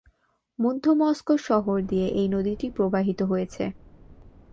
মধ্য মস্কো শহর দিয়ে এই নদীটি প্রবাহিত হয়েছে।